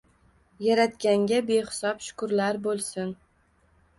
Yaratganga behisob shukrlar boʻlsin